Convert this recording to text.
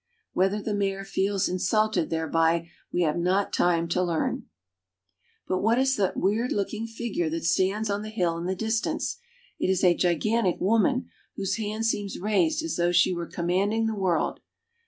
Whether the mayor feels in sulted thereby we have not time to learn. But what is that weird looking figure that stands on the v— hill in the distance ? "It was put up by the Germans." jj j s a gip; antic woman, whose hand seems raised as though she were com manding the world.